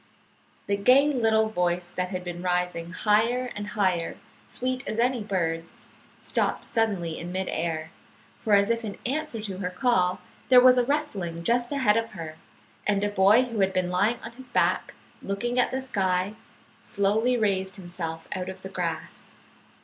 The gay little voice that had been rising higher and higher, sweet as any bird's, stopped suddenly in mid air; for, as if in answer to her call, there was a rustling just ahead of her, and a boy who had been lying on his back, looking at the sky, slowly raised himself out of the grass.